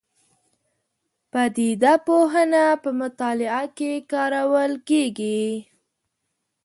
پدیده پوهنه په مطالعه کې کارول کېږي.